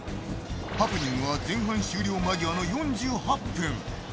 ハプニングは前半終了間際の４８分。